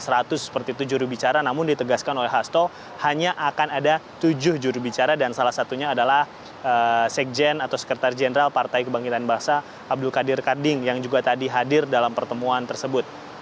seperti itu jurubicara namun ditegaskan oleh hasto hanya akan ada tujuh jurubicara dan salah satunya adalah sekjen atau sekretaris jenderal partai kebangkitan bangsa abdul qadir karding yang juga tadi hadir dalam pertemuan tersebut